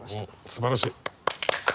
すばらしい。